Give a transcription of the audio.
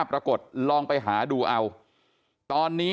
เพราะทนายอันนันชายชายเดชาบอกว่าจะเป็นการเอาคืนยังไง